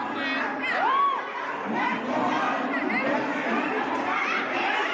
จุด